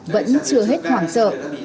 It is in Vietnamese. vẫn chưa hết hoảng trợ